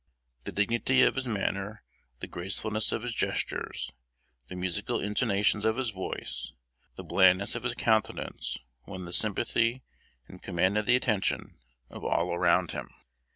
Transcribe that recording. The dignity of his manner, the gracefulness of his gestures, the musical intonations of his voice, the blandness of his countenance, won the sympathy, and commanded the attention, of all around him.